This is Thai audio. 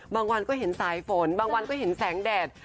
บางวันก็เห็นสายฝนบางวันก็เห็นแสงแดด